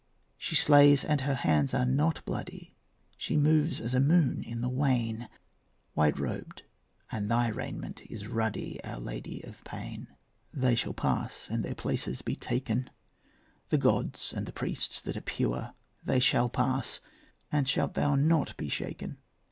She slays, and her hands are not bloody; She moves as a moon in the wane, White robed, and thy raiment is ruddy, Our Lady of Pain. They shall pass and their places be taken, The gods and the priests that are pure. They shall pass, and shalt thou not be shaken?